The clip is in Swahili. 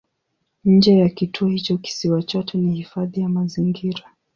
Nje ya kituo hicho kisiwa chote ni hifadhi ya mazingira.